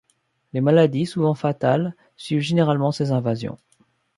Les maladies, souvent fatales, suivent généralement ces invasions.